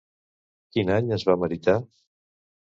Quin any es va meritar?